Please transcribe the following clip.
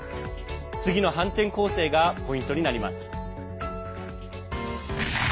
次の反転攻勢がポイントになります。